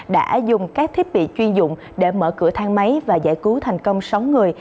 đã dùng các thiết bị chuyên dụng để mở cửa thang máy và giải cứu thành công sáu người